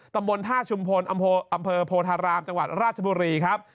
ตำบลท่าชุมพลอำเภอโพธารามจังหวัดราชบุรีครับ